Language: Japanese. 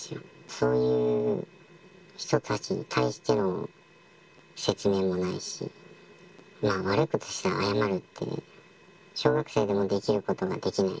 そういう人たちに対しての説明もないし、悪いことしたら謝るって、小学生でもできることができない。